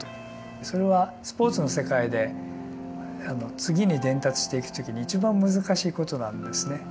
それはスポーツの世界で次に伝達していく時に一番難しいことなんですね。